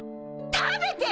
食べて！